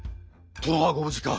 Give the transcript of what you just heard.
殿はご無事か。